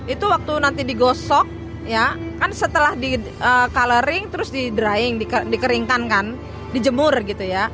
itu waktu nanti digosok ya kan setelah di coloring terus di drying dikeringkan kan dijemur gitu ya